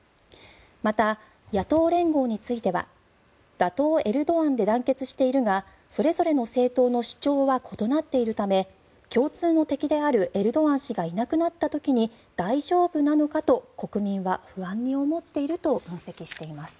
また、野党連合については打倒エルドアンで団結しているがそれぞれの政党の主張は異なっているため共通の敵であるエルドアン氏がいなくなった時に大丈夫なのかと国民は不安に思っていると分析しています。